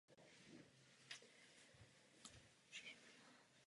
Rodrigo je mezitím zabit.